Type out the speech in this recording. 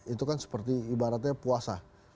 itu kan seperti ibaratnya puasa